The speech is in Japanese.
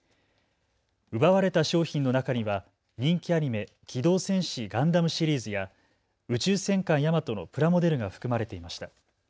奪われた商品の中には人気アニメ、機動戦士ガンダムシリーズや宇宙戦艦ヤマトのプラモデルが含まれていました。